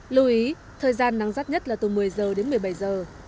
lưu ý thời gian nắng rắt nhất là từ một mươi giờ đến một mươi bảy giờ